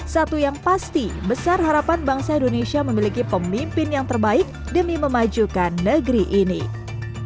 satu yang pasti besar harapan bangsa indonesia memiliki pemerintah yang berharga untuk memperkenalkan kemajuan indonesia